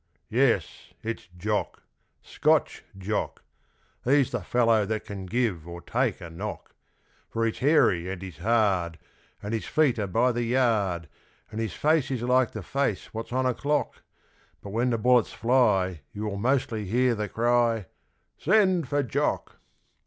Yes, it's Jock Scotch Jock. He's the fellow that can give or take a knock. For he's hairy and he's hard, And his feet are by the yard, And his face is like the face what's on a clock. But when the bullets fly you will mostly hear the cry 'Send for Jock!'